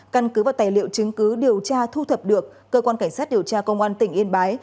căn cứ vào tài liệu chứng cứ điều tra thu thập được cơ quan cảnh sát điều tra công an tỉnh yên bái